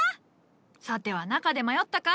さては中で迷ったか？